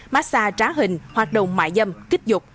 massage trá hình hoạt động mại dâm kích dục